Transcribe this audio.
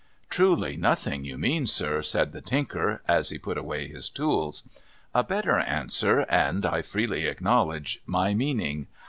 ' Truly nothing you mean, sir,' said the Tinker, as he put away his tools. ' A better answer, and (I freely acknowledge) my meaning.